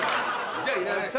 じゃあいらないです。